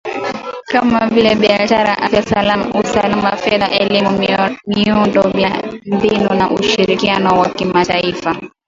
Kama vile biashara , afya , usalama , fedha , elimu , miundo mbinu na ushirikiano wa kimataifa.